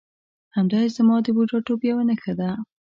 همدایې زما د بوډاتوب یوه نښه ده.